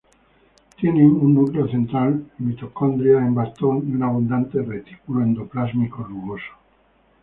Tienen un núcleo central, mitocondrias en bastón y un abundante retículo endoplásmico rugoso.